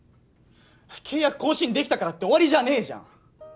契約更新できたからって終わりじゃねえじゃん